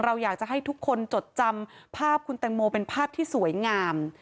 เราอยากจะให้ทุกคนจดจำภาพคุณแตงโมเป็นภาพที่สวยงาม